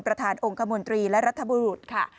ประธานองค์กรมนตรีและรัฐบุรุษค่ะ